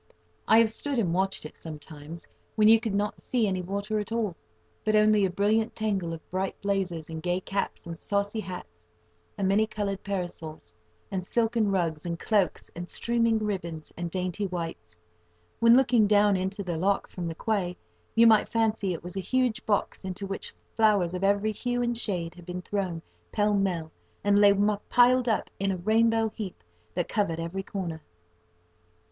I have stood and watched it, sometimes, when you could not see any water at all, but only a brilliant tangle of bright blazers, and gay caps, and saucy hats, and many coloured parasols, and silken rugs, and cloaks, and streaming ribbons, and dainty whites; when looking down into the lock from the quay, you might fancy it was a huge box into which flowers of every hue and shade had been thrown pell mell, and lay piled up in a rainbow heap, that covered every corner.